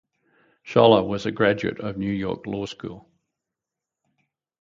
Scholer was a graduate of New York Law School.